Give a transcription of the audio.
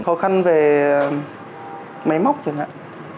khó khăn về máy móc chẳng hạn